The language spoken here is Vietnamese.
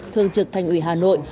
thường trực thành ủy hà nội